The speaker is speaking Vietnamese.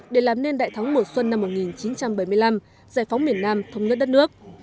để làm nên đại thắng mùa xuân năm một nghìn chín trăm bảy mươi năm giải phóng miền nam thống nhất đất nước